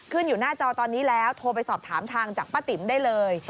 อยู่หน้าจอตอนนี้แล้วโทรไปสอบถามทางจากป้าติ๋มได้เลย